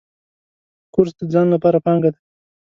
کورس د ځان لپاره پانګه ده.